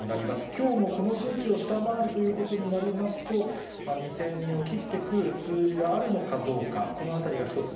きょうもこの数値を下回るということになりますと、２０００人を切ってくる数字があるのかどうか、このあたりが一つ